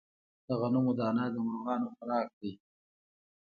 د غنمو دانه د مرغانو خوراک دی.